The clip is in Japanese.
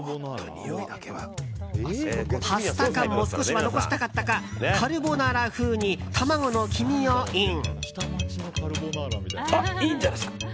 パスタ感も少しは残したかったかカルボナーラ風に卵の黄身をイン。